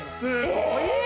すごいな！